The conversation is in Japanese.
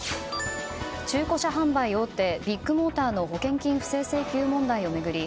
中古車販売大手ビッグモーターの保険金不正請求問題を巡り